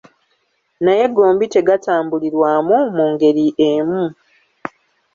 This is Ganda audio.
Naye gombi tegatambulirwamu mu ngeri emu.